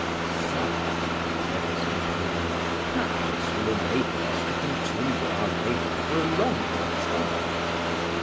"Sir," said his companion, "practice will enable us to continue our labour for a longer time.